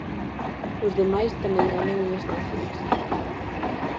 Os demais tamén gañan unhas décimas.